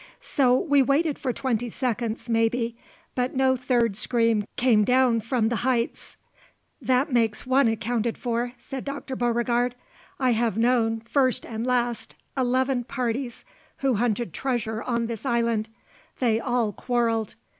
So we waited for twenty seconds, maybe; but no third scream came down from the heights. "That makes one accounted for," said Dr. Beauregard. "I have known, first and last, eleven parties who hunted treasure on this island. They all quarrelled.